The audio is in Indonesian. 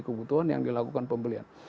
kebutuhan yang dilakukan pembelian